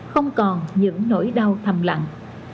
không còn những nỗi đau thầm lặng